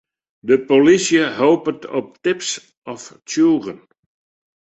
De polysje hopet op tips of tsjûgen.